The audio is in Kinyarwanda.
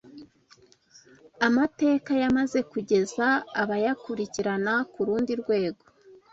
amateka yamaze kugeza abayakurikirana kurundi rwego